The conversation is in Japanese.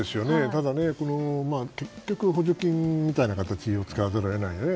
ただ、結局補助金みたいな形を使わざるを得ないよね。